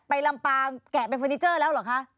ไปลำปลาแกะไปฟอนิเจอร์แล้วหรอคะ